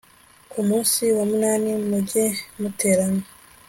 Ku munsi wa munani mujye muterana